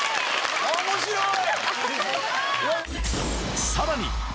・・面白い！